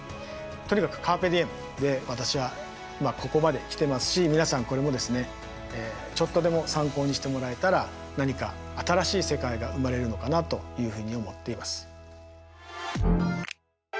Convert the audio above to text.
とにかく「カルペディエム」で私はここまで来てますし皆さんこれもですねちょっとでも参考にしてもらえたら何か新しい世界が生まれるのかなというふうに思っています。